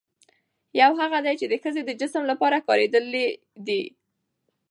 يوهغه دي، چې د ښځې د جسم لپاره کارېدلي دي